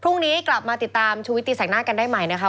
พรุ่งนี้กลับมาติดตามชูวิตตีแสงหน้ากันได้ใหม่นะคะ